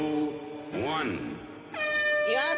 行きます。